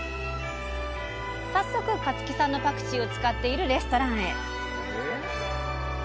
早速香月さんのパクチーを使っているレストランへ！